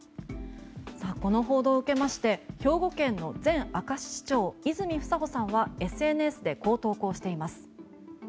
この報道を受けまして兵庫県の前明石市長泉房穂さんはＳＮＳでこう投稿しています。